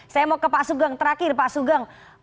saya mau ke pak sugeng terakhir pak sugeng